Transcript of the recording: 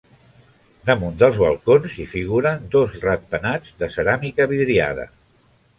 Damunt dels balcons hi figuren dos rats penats de ceràmica vidriada.